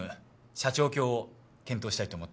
斜張橋を検討したいと思っております。